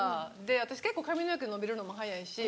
私結構髪の毛伸びるのも早いし。